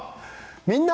「みんな！